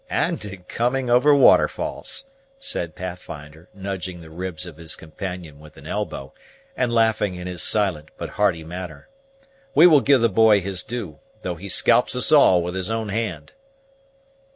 "And in coming over waterfalls!" said Pathfinder, nudging the ribs of his companion with an elbow, and laughing in his silent but hearty manner. "We will give the boy his due, though he scalps us all with his own hand."